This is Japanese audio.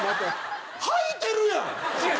はいてるやん！